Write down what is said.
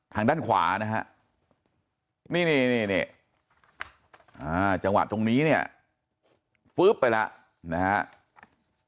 ทางด้านขวานะฮะนี่จังหวะตรงนี้เนี่ยฟึ๊บไปแล้วนะครับ